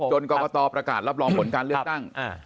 กรกตประกาศรับรองผลการเลือกตั้ง